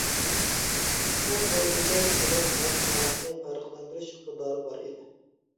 ئەڭ مۇھىمى ئۇنىڭ ھەق-ناھەقنى پەرقلەندۈرۈش ئىقتىدارى بار ئىدى.